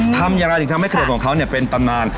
ทำอะไรจะทำให้ขนมของเขาเป็นตำนาน